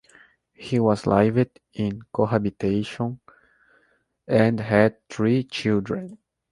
He was lived in cohabitation and had three children.